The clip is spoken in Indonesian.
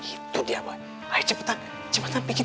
itu dia boy ayo cepetan bikin